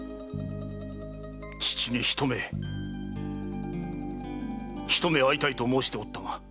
父にひと目ひと目会いたいと申しておったが。